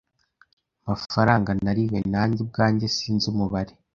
Amafaranga nariwe nanjye ubwanjye sinzi umubare